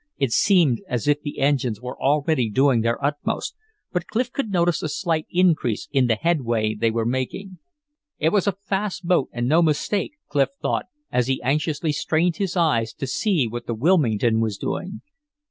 It seemed as if the engines were already doing their utmost, but Clif could notice a slight increase in the headway they were making. It was a fast boat and no mistake, Clif thought, as he anxiously strained his eyes to see what the Wilmington was doing.